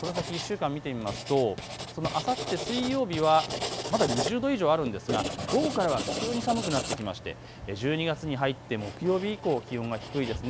最高気温、この先１週間を見てみますとそのあさって水曜日はまだ２０度以上あるんですが午後からは急に寒くなってきまして１２月に入って木曜日以降、気温が低いです。